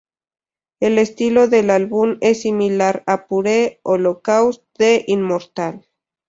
El estilo del álbum es similar a Pure Holocaust de Immortal.